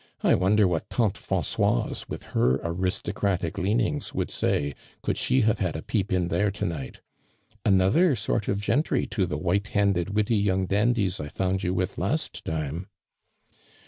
I wonder what tante Franooise, with her aristocratic leanings, would say, could she have had a peep in there to night? Another sort of gentry to tlie white handed, witty young dandies I found you with last time."